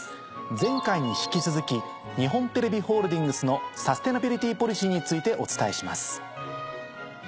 前回に引き続き日本テレビホールディングスのサステナビリティポリシーについてお伝えします。